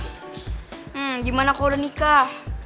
hmm gimana kalau udah nikah